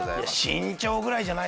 身長ぐらいじゃない。